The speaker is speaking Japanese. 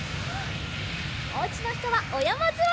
おうちのひとはおやまずわりをします。